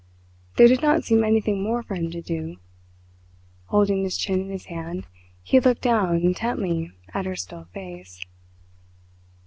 There did not seem anything more for him to do. Holding his chin in his hand he looked down intently at her still face.